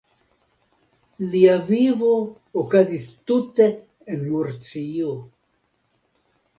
Lia vivo okazis tute en Murcio.